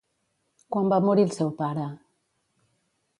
Quan va morir el seu pare?